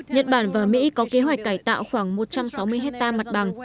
nhật bản và mỹ có kế hoạch cải tạo khoảng một trăm sáu mươi hectare mặt bằng